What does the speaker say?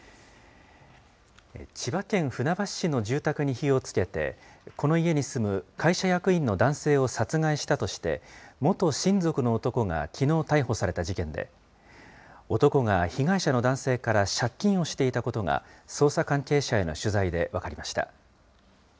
千葉県船橋市の住宅に火をつけて、この家に住む会社役員の男性を殺害したとして、元親族の男がきのう逮捕された事件で、男が被害者の男性から借金をしていたことが、捜査関係者への取材で分かりました。